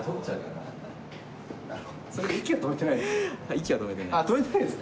息は止めてないです。